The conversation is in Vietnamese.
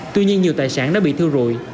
tuy nhiên nhiều tài sản đã bị thiêu rụi